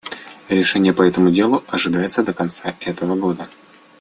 Решение по этому делу ожидается до конца этого года.